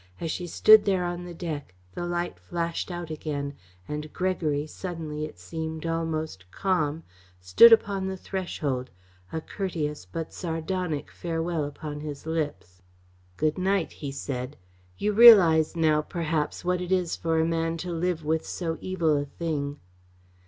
As she stood there on the deck, the light flashed out again, and Gregory, suddenly, it seemed, almost calm, stood upon the threshold, a courteous but sardonic farewell upon his lips. "Good night," he said. "You realise now, perhaps, what it is for a man to live with so evil a thing."